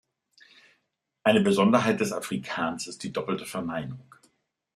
Eine Besonderheit des Afrikaans ist die doppelte Verneinung.